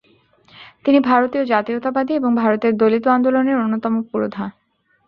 তিনি ভারতীয় জাতীয়তাবাদী এবং ভারতের দলিত আন্দোলনের অন্যতম পুরোধা।